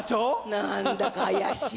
なんだか怪しい。